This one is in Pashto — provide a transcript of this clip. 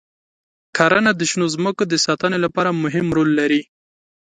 کرنه د شنو ځمکو د ساتنې لپاره مهم رول لري.